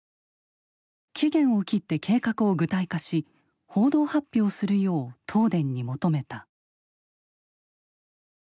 期限を切って計画を具体化し報道発表するよう東電に求めた。